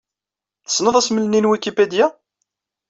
Tessneḍ asmel-nni n Wikipedia?